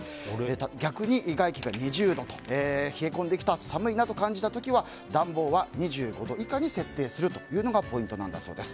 逆に外気が２０度と冷え込んできた寒いなと感じた時は暖房を２５度以下に設定するのがポイントだそうです。